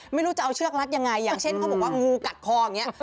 ไม่รู้จะเอาเชือกรัดยังไงอย่างเช่นเขาบอกว่างูกัดคออย่างนี้